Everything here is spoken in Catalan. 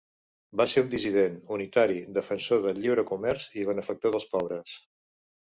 Va ser un dissident, unitari, defensor del lliure comerç i benefactor dels pobres.